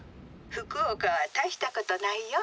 福岡は大したことないよ。